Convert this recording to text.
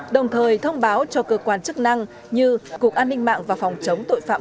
đồng thời thông báo cho cơ quan chức năng như cục an ninh mạng và phòng chống tội phạm